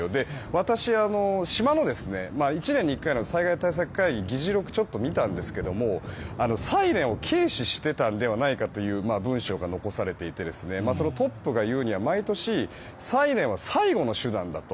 私、島の１年に１回の災害対策会議の議事録を見たんですがサイレンを軽視してたのではないかという文章が残されていてそのトップが言うには毎年サイレンは最後の手段だと。